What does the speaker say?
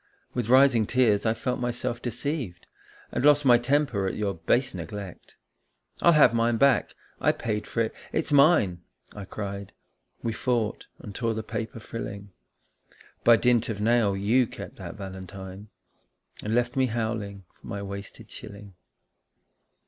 With rising tears I felt myself deceived And lost my temper at your base neglect. " I'll have mine back I paid for it it's mine !" I cried. We fought and tore the paper frilling. By dint of nail you kept that valentine, And left me howling for my wasted shilling.